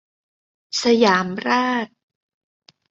สยามราช